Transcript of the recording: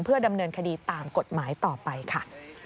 ดำเนินคดีตามกฎหมายต่อไปค่ะ